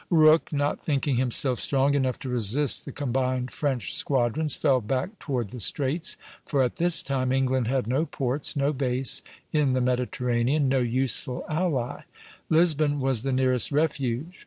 Rooke, not thinking himself strong enough to resist the combined French squadrons, fell back toward the Straits; for at this time England had no ports, no base, in the Mediterranean, no useful ally; Lisbon was the nearest refuge.